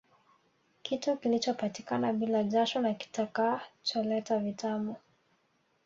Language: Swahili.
Kitu kilichopatikana bila jasho na kitakacholeta vitamu